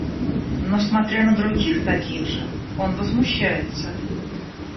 Но, смотря на других, таких же, он возмущается.